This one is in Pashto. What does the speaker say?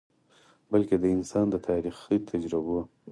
بلکه د انسان د تاریخي تجربو ،